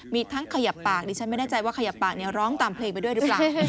มีทั้งขยับปากดิฉันไม่แน่ใจว่าขยับปากเนี่ยร้องตามเพลงไปด้วยหรือเปล่า